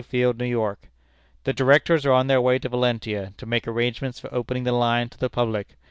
Field, New York: "The directors are on their way to Valentia, to make arrangements for opening the line to the public.